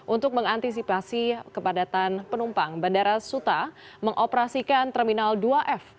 untuk mengantisipasi kepadatan penumpang bandara suta mengoperasikan terminal dua f